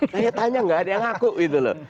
saya tanya nggak ada yang ngaku gitu loh